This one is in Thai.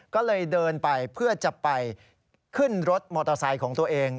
ก็เลยเดินไปเพื่อจะไปขึ้นรถมอเตอร์ไซค์ของตัวเอง